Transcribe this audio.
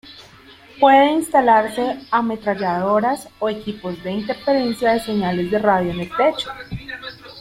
Puede instalarse ametralladoras o equipos de interferencia de señales de radio en el techo.